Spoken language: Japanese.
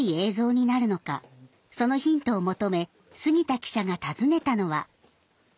そのヒントを求め杉田記者が訪ねたのは。